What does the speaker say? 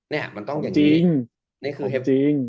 เนี่ยมันต้องอย่างนี้